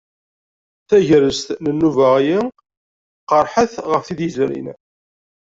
Tagrest n nnuba-ayi qerrḥet ɣef tid yezrin.